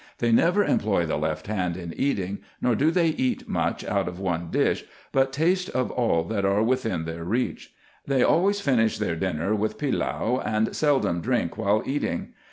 They never employ the left hand in eating, nor do they eat much out of one dish, but taste of all that are within their reach. They always finish their dinner with pilau, and seldom drink while eating.